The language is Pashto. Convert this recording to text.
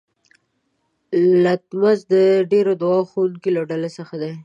لتمس د ډیرو عادي ښودونکو له ډلې څخه دی.